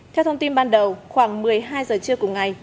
theo thông tin ban đầu khoảng một mươi hai giờ trưa cùng ngày